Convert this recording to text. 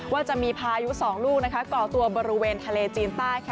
ว่าจะมีพายุ๒ลูกก่อตัวบริเวณทะเลจีนใต้